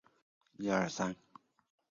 拉穆人口变化图示